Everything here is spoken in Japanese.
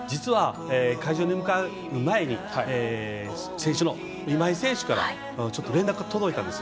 会場に向かう前に選手の今井選手から連絡が届いたんです。